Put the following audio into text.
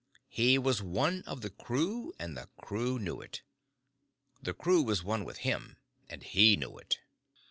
He was one of the crew, and the crew knew it. The crew was one with him, and he knew it.